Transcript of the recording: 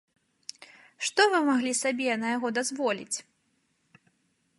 Што вы маглі сабе на яго дазволіць?